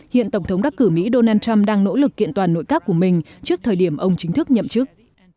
hiện tổng thống đắc cử mỹ donald trump đang nỗ lực kiện toàn nội các của mình trước thời điểm ông chính thức nhậm chức